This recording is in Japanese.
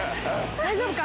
大丈夫か？